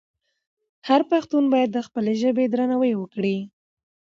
هر پښتون باید د خپلې ژبې درناوی وکړي.